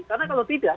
karena kalau tidak